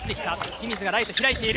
清水がライトに開いている。